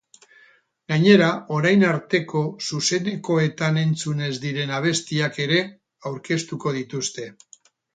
Gainera, orain arteko zuzenekoetan entzun ez diren abestiak ere aurkeztuko dituzte.